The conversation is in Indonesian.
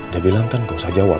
dia bilang kan gak usah jawab